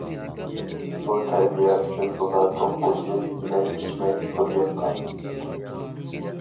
بۇ تەربىيە ئۈچۈن ئۇلار توققۇز يىل يېمەي- ئىچمەي پۇل يىغقان.